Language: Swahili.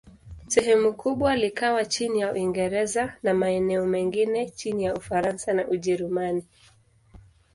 Sehemu kubwa likawa chini ya Uingereza, na maeneo mengine chini ya Ufaransa na Ujerumani.